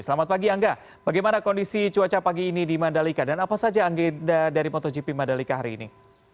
selamat pagi angga bagaimana kondisi cuaca pagi ini di mandalika dan apa saja agenda dari motogp madalika hari ini